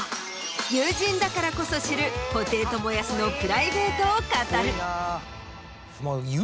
友人だからこそ知る布袋寅泰のプライベートを語る。